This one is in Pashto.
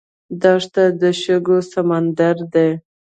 دښته د شګو سمندر دی.